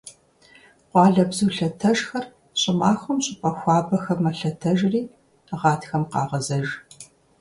Къуалэбзу лъэтэжхэр щӀымахуэм щӀыпӀэ хуабэхэм мэлъэтэжри гъатхэм къагъэзэж.